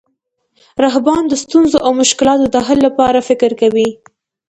رهبران د ستونزو او مشکلاتو د حل لپاره فکر کوي.